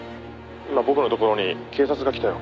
「今僕のところに警察が来たよ」